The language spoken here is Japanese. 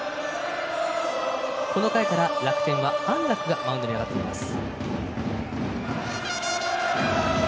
この回から、楽天は安樂がマウンドに上がっています。